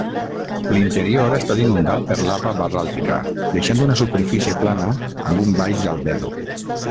L'interior ha estat inundat per lava basàltica, deixant una superfície plana amb un baix albedo.